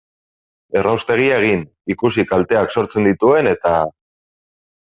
Erraustegia egin, ikusi kalteak sortzen dituen eta...